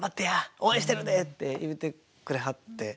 応援してるで！って言うてくれはって。